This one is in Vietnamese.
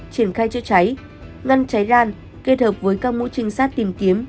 triển khai chữa cháy ngăn cháy ran kết hợp với các mũ trinh sát tìm kiếm